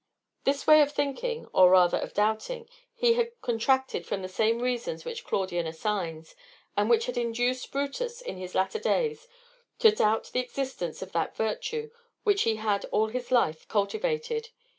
This way of thinking, or rather of doubting, he had contracted from the same reasons which Claudian assigns, and which had induced Brutus in his latter days to doubt the existence of that virtue which he had all his life cultivated.